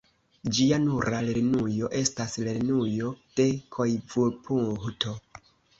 Ĝia nura lernujo estas Lernujo de Koivupuhto.